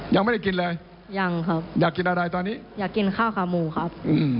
ยังไม่ได้กินเลยยังครับอยากกินอะไรตอนนี้อยากกินข้าวขาหมูครับ